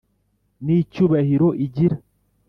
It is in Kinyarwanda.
N’icyubahiro igira,